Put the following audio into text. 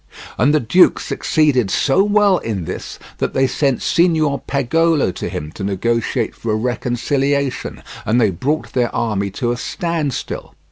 And the duke succeeded so well in this that they sent Signor Pagolo to him to negotiate for a reconciliation, and they brought their army to a standstill.